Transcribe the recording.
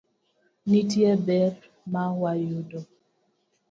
nitie ber ma wayudo.